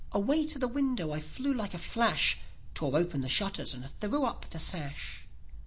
Away to the window I flew like a flash, Tore open the shutters and threw up the sash.